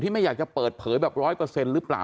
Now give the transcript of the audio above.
ไม่อยากจะเปิดเผยแบบ๑๐๐หรือเปล่า